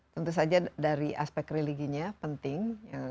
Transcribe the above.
tentu saja dari aspek religinya penting